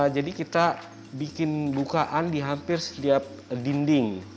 jadi kita bikin bukaan di hampir setiap dinding